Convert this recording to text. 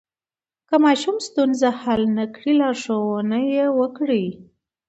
که ماشوم ستونزه حل نه کړي، لارښوونه یې وکړئ.